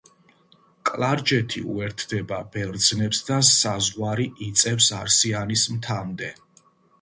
კლარჯეთი უერთდება ბერძნებს და საზღვარი იწევს არსიანის მთამდე.